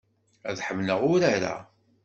Ad ḥemmleɣ urar-a.